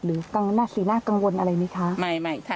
หรือสีน่ากังวลอะไรไหมคะ